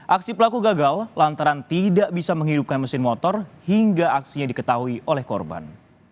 aksi pelaku gagal lantaran tidak bisa menghidupkan mesin motor hingga aksinya diketahui oleh korban